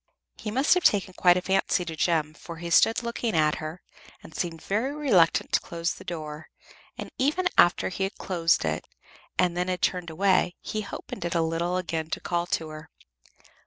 He must have taken quite a fancy to Jem, for he stood looking at her, and seemed very reluctant to close the door, and even after he had closed it, and they had turned away, he opened it a little again to call to her.